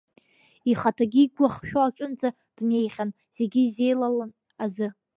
Ихаҭагьы игәы ахшәо аҿынӡа днеихьан, зегьы изеилалан азы.